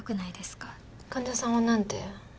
患者さんはなんて？